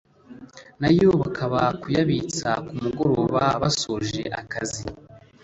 nayo bakaza kuyabitsa ku mugoroba basoje akazi